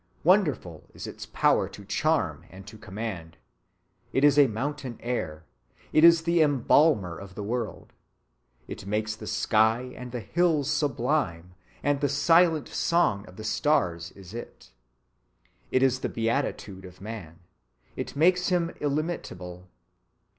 Wonderful is its power to charm and to command. It is a mountain air. It is the embalmer of the world. It makes the sky and the hills sublime, and the silent song of the stars is it. It is the beatitude of man. It makes him illimitable.